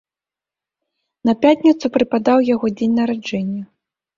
На пятніцу прыпадаў яго дзень нараджэння.